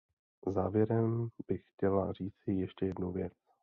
Závěrem bych chtěla říci ještě jednu věc.